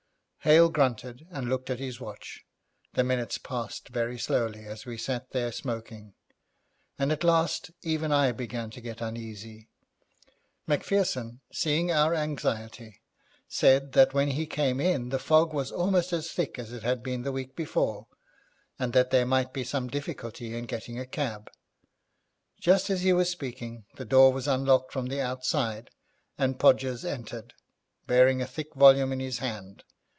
Hale grunted and looked at his watch. The minutes passed very slowly as we sat there smoking, and at last even I began to get uneasy. Macpherson, seeing our anxiety, said that when he came in the fog was almost as thick as it had been the week before, and that there might be some difficulty in getting a cab. Just as he was speaking the door was unlocked from the outside, and Podgers entered, bearing a thick volume in his hand.